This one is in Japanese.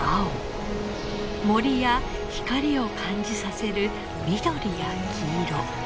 森や光を感じさせる緑や黄色。